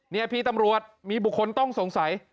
นี่พี่ตำรวจมีบุคคลต้องสงสัย